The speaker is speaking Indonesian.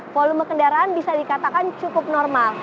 volume kendaraan bisa dikatakan cukup normal